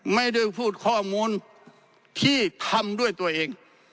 ไม่ได้พูดข้อมูลที่ทำด้วยตัวเอง